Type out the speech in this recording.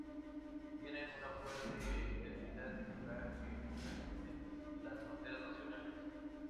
Tienen una fuerte identidad cultural, que trasciende las fronteras nacionales.